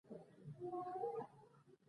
زنګونان کاږۀ کړے شي او ملا نېغه وساتلے شي